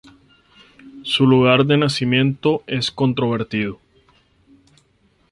Su lugar de nacimiento es controvertido.